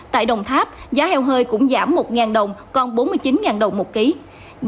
tại đồng tháp giá heo hơi cũng giảm một đồng còn bốn mươi chín đồng một ký